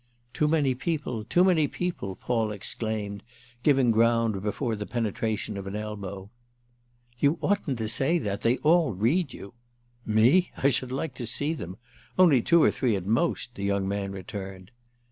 "Too many people—too many people!" Paul exclaimed, giving ground before the penetration of an elbow. "You oughtn't to say that. They all read you." "Me? I should like to see them! Only two or three at most," the young man returned.